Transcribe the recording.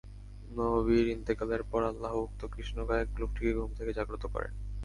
নবীর ইন্তিকালের পর আল্লাহ উক্ত কৃষ্ণকায় লোকটিকে ঘুম থেকে জাগ্রত করেন।